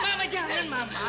mama jangan mama